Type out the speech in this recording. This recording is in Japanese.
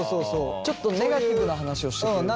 ちょっとネガティブな話をしてくれる人？